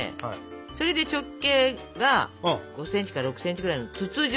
それで直径が５ｃｍか６ｃｍぐらいの筒状。